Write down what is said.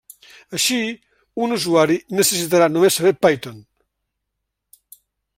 Així, un usuari necessitarà només saber Python.